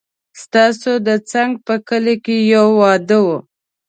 ستاسو د څنګ په کلي کې يو واده و